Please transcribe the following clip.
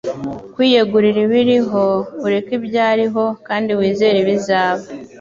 Kwiyegurira ibiriho, ureke ibyariho, kandi wizere ibizaba.”